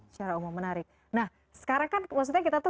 nah sekarang kan kita tuh